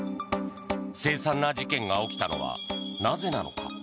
せい惨な事件が起きたのはなぜなのか。